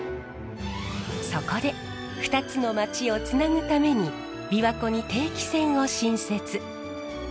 そこで２つの町をつなぐためにびわ湖に定期船を新設。